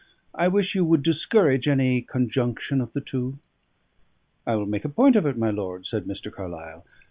I wish you would discourage any conjunction of the two." "I will make a point of it, my lord," said Mr. Carlyle.